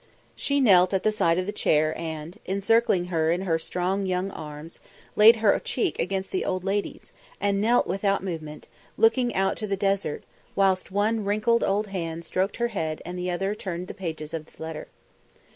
She knelt at the side of the chair and, encircling her in her strong young arms, laid her cheek against the old lady's, and knelt without movement, looking out to the desert, whilst one wrinkled old hand stroked her head and the other turned the pages of the letter.